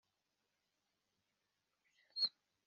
urubyiruko rukenewe ni hagati y’imyaka na bize ubwubatsi